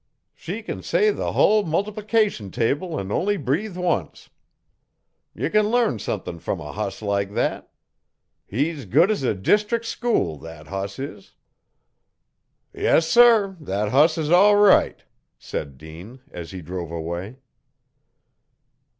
'She can say the hull mul'plication table an' only breathe once. Ye can learn sumthin' from a hoss like thet. He's good as a deestric' school thet hoss is.' Yes, sir, thet hoss is all right,' said Dean, as he drove away.